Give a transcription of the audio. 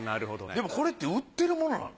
これって売ってるものなの？